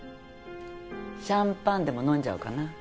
シャンパンでも飲んじゃおうかな。